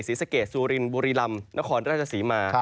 ศรีสะเกดสุรินบุรีลำนครราชศรีมา